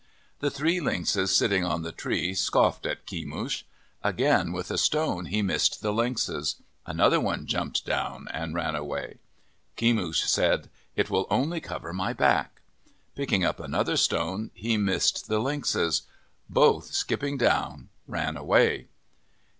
The three lynxes sitting on the tree scoffed at Kemush. Again with a stone he missed the lynxes. Another one jumped down and ran away. Kemush said, " It will only cover my back." Picking up another stone, he missed the lynxes. Both skipping down, ran away.